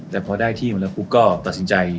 แต่พอได้ที่มาแล้วปุ๊บก็ตัดสินใจ